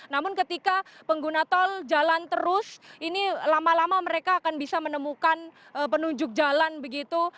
namun ketika pengguna tol jalan terus ini lama lama mereka akan bisa menemukan penunjuk jalan begitu